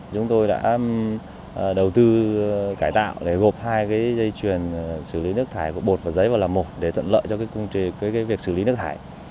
chúng tôi đã đầu tư cải tạo để gộp hai cái dây chuyền xử lý nước thải của bột và giấy vào là một để tận lợi cho việc xử lý nước thải